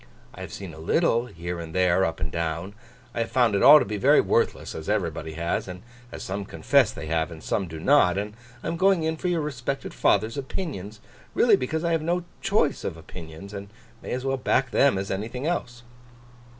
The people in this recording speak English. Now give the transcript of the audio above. I have seen a little, here and there, up and down; I have found it all to be very worthless, as everybody has, and as some confess they have, and some do not; and I am going in for your respected father's opinions—really because I have no choice of opinions, and may as well back them as anything else.